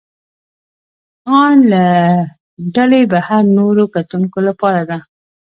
ان له ډلې بهر نورو کتونکو لپاره ده.